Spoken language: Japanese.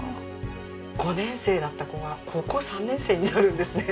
５年生だった子が高校３年生になるんですね。